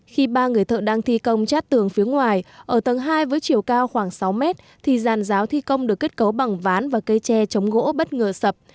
khi ba người thợ đang thi công chát tường phía ngoài ở tầng hai với chiều cao khoảng sáu mét thì giàn giáo thi công được kết cấu bằng ván và cây tre chống gỗ bất ngờ sập